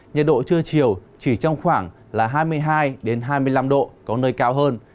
nhiệt độ trưa chiều chỉ trong khoảng là hai mươi hai hai mươi năm độ có nơi cao hơn